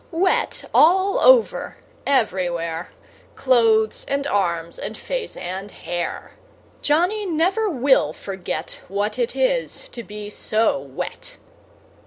Wet all over, everywhere, Clothes, and arms, and face, and hair: Johnny never will forget What it is to be so wet.